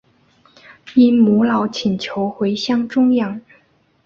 因母老请求回乡终养。